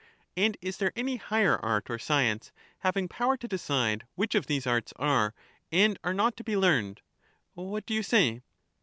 And is there any higher art or science, having power to decide which of these arts are and are not to be learned; — what do you say?